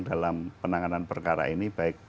dalam penanganan perkara ini baik